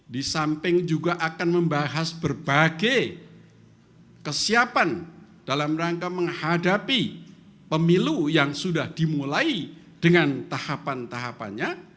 di samping juga akan membahas berbagai kesiapan dalam rangka menghadapi pemilu yang sudah dimulai dengan tahapan tahapannya